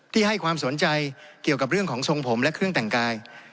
ให้ความสนใจเกี่ยวกับเรื่องของทรงผมและเครื่องแต่งกาย